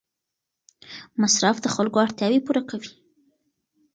مصرف د خلکو اړتیاوې پوره کوي.